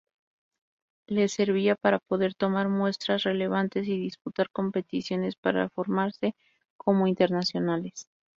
Les servía para poder tomar puestos relevantes y disputar competiciones para formarse como internacionales.